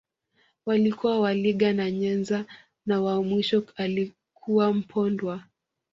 Walikuwa Maliga na Nyenza na wa mwisho alikuwa Mpondwa